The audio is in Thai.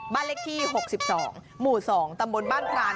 บ้านเลขที่๖๒หมู่๒ตำบลบ้านพราน